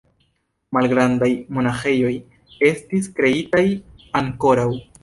Malgrandaj monaĥejoj estis kreitaj ankoraŭ.